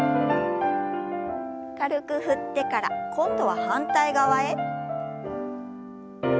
軽く振ってから今度は反対側へ。